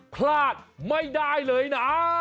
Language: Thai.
พลาดไม่ได้เลยนะ